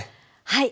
はい。